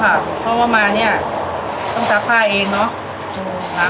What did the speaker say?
เพราะว่ามาเนี่ยต้องซักผ้าเองเนาะ